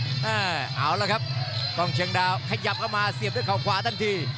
เอาละครับกล้องเชียงดาวขยับเข้ามาเสียบด้วยเขาขวาทันที